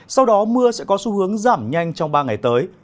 sau đó mưa sẽ có xu hướng giảm nhanh trong ba ngày tới